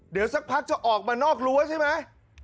เดี๋ยวสักพักจะออกมานอกรั้วใช่ไหม